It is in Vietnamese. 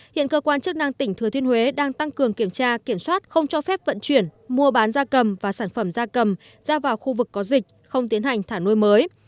hiện cơ quan chức năng tỉnh thừa thiên huế đang tăng cường kiểm tra kiểm soát không cho phép vận chuyển mua bán da cầm và sản phẩm da cầm ra vào khu vực có dịch không tiến hành thả nuôi mới